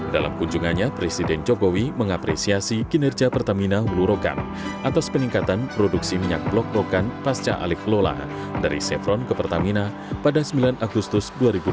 dalam kunjungannya presiden jokowi mengapresiasi kinerja pertamina hulu rokan atas peningkatan produksi minyak blok brokan pasca alih lola dari sevron ke pertamina pada sembilan agustus dua ribu dua puluh